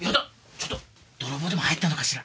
ちょっと泥棒でも入ったのかしら？